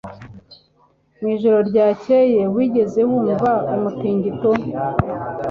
Mu ijoro ryakeye wigeze wumva umutingito